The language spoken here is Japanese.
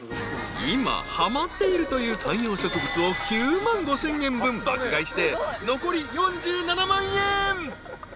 ［今はまっているという観葉植物を９万５，０００円分爆買いして残り４７万円］